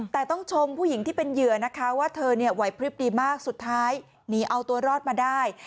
แต่ต้องชมผู้หญิงที่เป็นเหยื่อนะคะว่าเธอเนี่ยไหวพลิบดีมากสุดท้ายหนีเอาตัวรอดมาได้